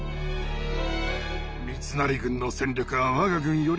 三成軍の戦力は我が軍より上。